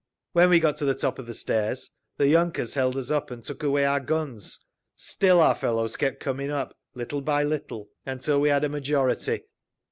When we got to the top of the stairs the yunkers held us up and took away our guns. Still our fellows kept coming up, little by little, until we had a majority.